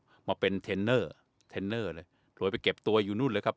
ครับมาเป็นเทนเนอร์ถ่วยไปเก็บตัวอยู่นู่นเลยครับ